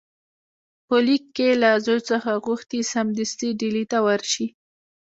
په لیک کې له زوی څخه غوښتي سمدستي ډهلي ته ورشي.